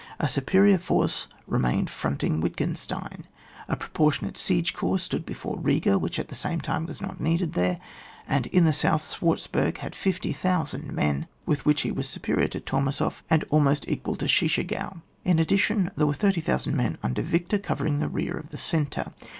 A superior force remained fronting Wittgenstein, a proportionate siege corps stood before Biga which at the same time was not needed there, and in the south Schwar zenberg had 50,000 men with which he was superior to Tormasoff and almost equal to Tschitschagow : in addition, there were 30,000 men under Victor, covering the rear of the centre.